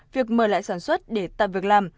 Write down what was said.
việc mời lại sản xuất để tạm việc làm